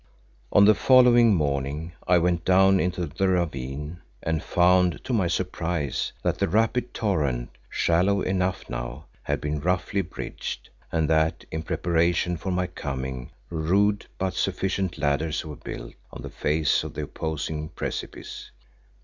On the following morning I went down into the ravine and found to my surprise that the rapid torrent shallow enough now had been roughly bridged, and that in preparation for my coming rude but sufficient ladders were built on the face of the opposing precipice.